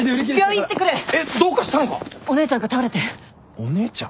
お姉ちゃん？